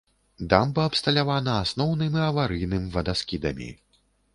Дамба абсталявана асноўным і аварыйным вадаскідамі.